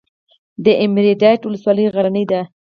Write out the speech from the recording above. دایمیرداد ولسوالۍ غرنۍ ده؟